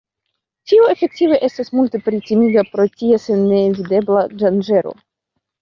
Tiu efektive estas multe pli timiga pro ties nevidebla danĝero.